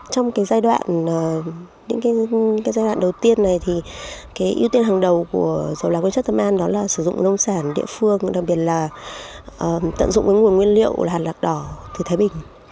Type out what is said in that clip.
trong cái giai đoạn những cái giai đoạn đầu tiên này thì cái ưu tiên hàng đầu của dầu lạc nguyên chất thành an đó là sử dụng nông sản địa phương đặc biệt là tận dụng nguồn nguyên liệu là hạt lạc đỏ từ thái bình